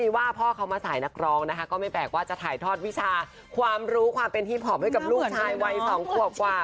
ว่าพ่อเขามาสายนักร้องนะคะก็ไม่แปลกว่าจะถ่ายทอดวิชาความรู้ความเป็นฮีพอปให้กับลูกชายวัย๒ขวบกว่า